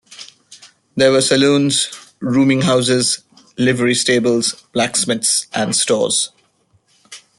There were saloons, rooming houses, livery stables, blacksmiths and stores.